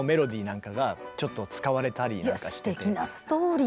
いやっすてきなストーリー。